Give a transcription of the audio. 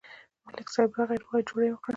ملک صاحب راغی، روغه یې وکړه.